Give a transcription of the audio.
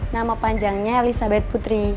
nama panjangnya elizabeth putri